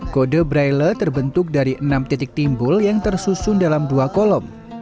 kode braille terbentuk dari enam titik timbul yang tersusun dalam dua kolom